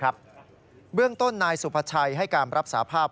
เบื้องต้นนายสุภาชัยให้การรับสาภาพ